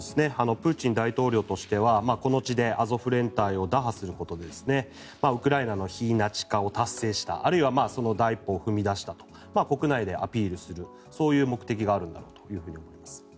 プーチン大統領としてはこの地でアゾフ連隊を打破することでウクライナの非ナチ化を達成したあるいはその第一歩を踏み出したと国内でアピールするそういう目的があるんだと思います。